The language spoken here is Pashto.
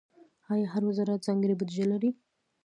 آیا هر وزارت ځانګړې بودیجه لري؟